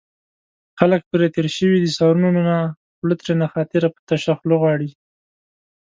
خلک پرې تېر شوي دي سرونو نه خوله ترېنه خاطر په تشه خوله غواړي